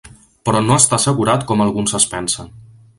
Però no està assegurat com alguns es pensen.